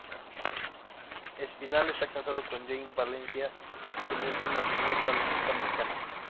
Espinal está casado con Jane Valencia, quien es una atleta olímpica mexicana.